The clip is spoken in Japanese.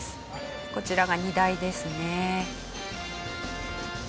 こちらが荷台ですね。